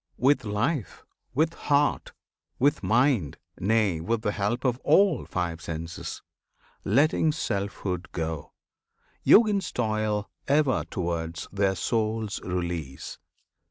With life, with heart, with mind, nay, with the help Of all five senses letting selfhood go Yogins toil ever towards their souls' release.